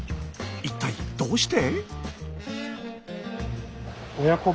一体どうして？